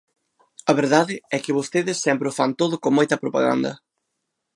A verdade é que vostedes sempre o fan todo con moita propaganda.